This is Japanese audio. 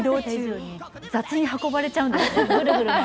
雑に運ばれちゃうんですね、ぐるぐると。